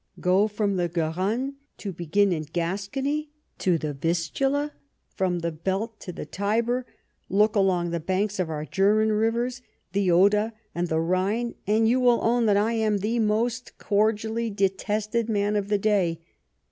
Go from the Garonne, to begin in Gascony, to the Vistula ; from the Belt to the Tiber ; look along the banks of our German rivers, the Oder and the Rhine, and you will own that I am the most cordially detested man of the day.